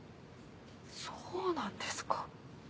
そうなんですか。